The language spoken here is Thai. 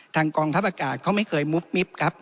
กองทัพอากาศเขาไม่เคยมุบมิบครับ